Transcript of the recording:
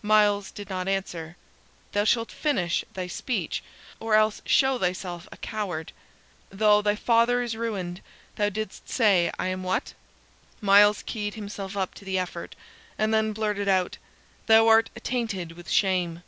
Myles did not answer. "Thou shalt finish thy speech, or else show thyself a coward. Though thy father is ruined, thou didst say I am what?" Myles keyed himself up to the effort, and then blurted out, "Thou art attainted with shame."